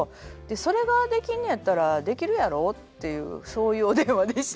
「それができるのやったらできるやろ？」っていうそういうお電話でした。